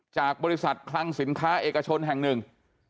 จากบริษัทคลังสินค้าเอกชนแห่งหนึ่ง